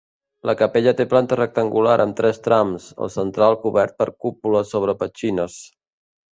La capella té planta rectangular amb tres trams, el central cobert per cúpula sobre petxines.